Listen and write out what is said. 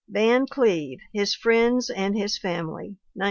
Van Cleve: His Friends and His Family, 1913.